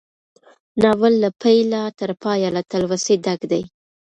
ناول له پيله تر پايه له تلوسې ډک دی.